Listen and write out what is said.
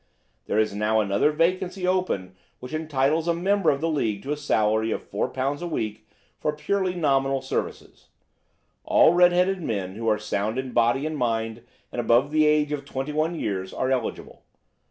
there is now another vacancy open which entitles a member of the League to a salary of £ 4 a week for purely nominal services. All red headed men who are sound in body and mind and above the age of twenty one years, are eligible.